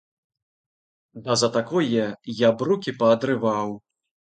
Да за такое я б рукі паадрываў!